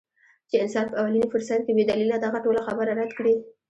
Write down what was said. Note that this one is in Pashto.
چې انسان پۀ اولني فرصت کښې بې دليله دغه ټوله خبره رد کړي -